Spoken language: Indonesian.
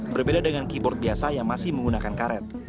berbeda dengan keyboard biasa yang masih menggunakan karet